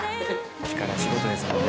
力仕事ですもんね。